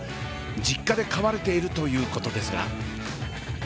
実家で飼われているということですが。